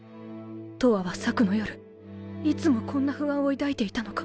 とわは朔の夜いつもこんな不安を抱いていたのか